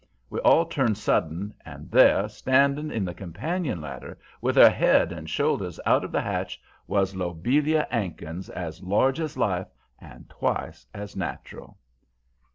We all turned sudden, and there, standing on the companion ladder, with her head and shoulders out of the hatch, was Lobelia 'Ankins, as large as life and twice as natural.